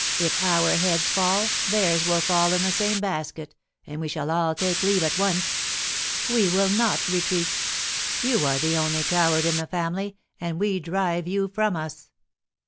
If our heads fall, theirs will fall in the same basket, and we shall all take leave at once! We will not retreat! You are the only coward in the family, and we drive you from us!"